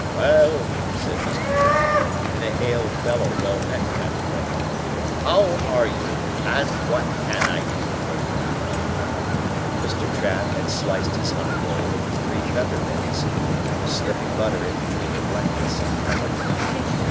"Well!" said Mr. Trabb, in a hail fellow well met kind of way. "How are you, and what can I do for you?" Mr. Trabb had sliced his hot roll into three feather beds, and was slipping butter in between the blankets, and covering it up.